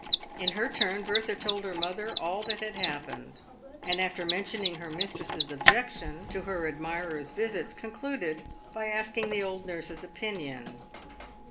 In her turn Bertha told her mother all that had hap pened, and after mentioning her mistress's objection to her admirer's visits, concluded by a'sking the old nurse's opinion.